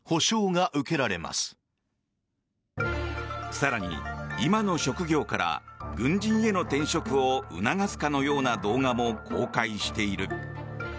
更に、今の職業から軍人への転職を促すかのような動画も公開している。